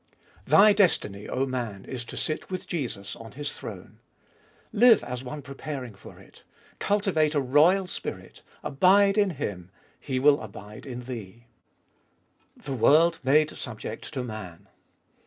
7. Thy destiny, 0 man, is to sit with Jesus on His throne. Live as one preparing for it. Culti vate a royal spirit. Abide in Him : He will abide in thee. 2. The world made subject to man.